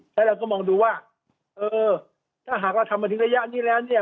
แล้วเราก็มองดูว่าเออถ้าหากเราทำมาถึงระยะนี้แล้วเนี่ย